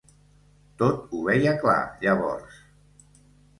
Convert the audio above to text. Tot ho veia clar llavors…